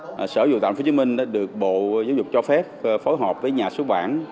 sở giáo dục đào tạo tp hcm đã được bộ giáo dục cho phép phối hợp với nhà xuất bản